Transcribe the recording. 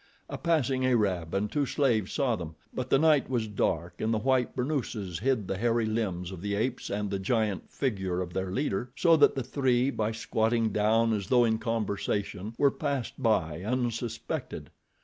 A passing Arab and two slaves saw them, but the night was dark and the white burnooses hid the hairy limbs of the apes and the giant figure of their leader, so that the three, by squatting down as though in conversation, were passed by, unsuspected.